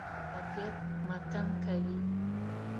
طبیعت ماتم کوي.